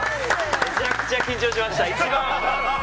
めちゃくちゃ緊張しました！